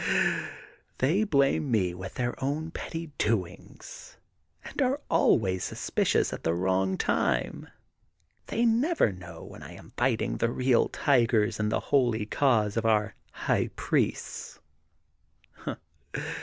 They blame me with their own petty do ings and are always suspicious at the wrong time. They never know when I am fighting the real tigers in the holy cause of our High Priests.